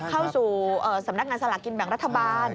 เข้าสู่สำนักงานสลากกินแบ่งรัฐบาล